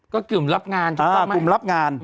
ก็กึ่มรับงานถูกต้องไหมกลุ่มรับงาน